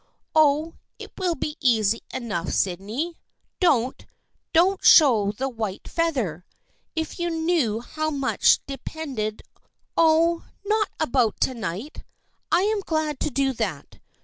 Oh, it will be easy enough, Sydney. Don't, don't show the white feather ! If you knew how much de pended " "Oh, not about to night ! I am glad to do that.